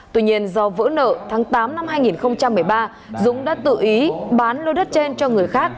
tuy nhiên do vỡ nợ tháng tám năm hai nghìn một mươi ba dũng đã tự ý bán lô đất trên cho người khác